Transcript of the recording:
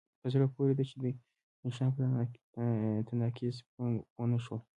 په زړه پورې ده چې دوی د نښان په تناقض پوه نشول